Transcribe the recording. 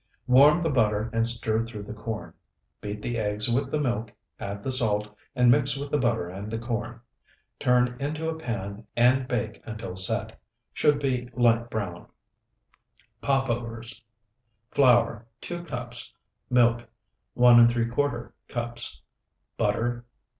Warm the butter and stir through the corn; beat the eggs with the milk, add the salt, and mix with the butter and the corn. Turn into a pan and bake until set. Should be light brown. POPOVERS Flour, 2 cups. Milk, 1¾ cups. Butter.